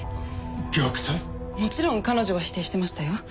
もちろん彼女は否定してましたよ。